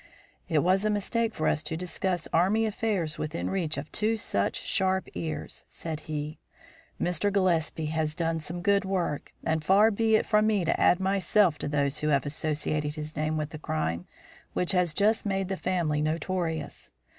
"It was a mistake for us to discuss Army affairs within reach of two such sharp ears," said he. "Mr. Gillespie has done some good work, and far be it from me to add myself to those who have associated his name with the crime which has just made the family notorious.